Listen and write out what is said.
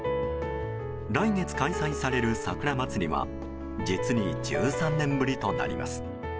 来月開催される桜まつりは実に１３年ぶりとなります。